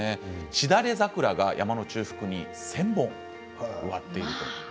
しだれ桜が山の中腹に１０００本植わっている。